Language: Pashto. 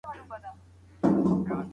دري الفبا له پښتو بدله نه ده.